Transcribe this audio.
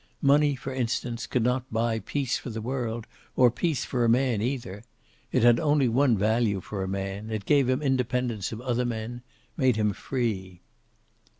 Money, for instance, could not buy peace for the world; or peace for a man, either. It had only one value for a man; it gave him independence of other men, made him free.